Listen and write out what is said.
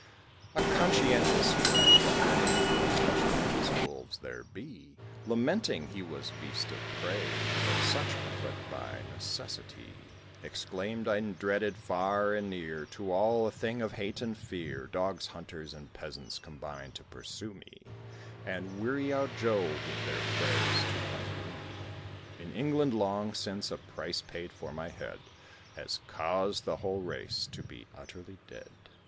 A Conscientious Wolf one day (If conscientious Wolves there be), Lamenting he was beast of prey, Though such but by necessity, Exclaimed "I'm dreaded far and near, To all a thing of hate and fear; Dogs, hunters, and peasants combine to pursue me, And weary out Jove with their prayers to undo me: In England long since a price paid for my head, Has caused the whole race to be utterly dead.